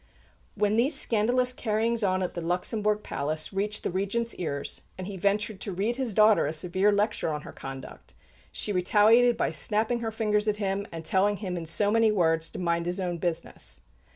When these scandalous "carryings on" at the Luxembourg Palace reached the Regent's ears and he ventured to read his daughter a severe lecture on her conduct, she retaliated by snapping her fingers at him and telling him in so many words to mind his own business.